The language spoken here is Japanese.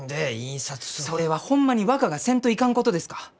それはホンマに若がせんといかんことですか？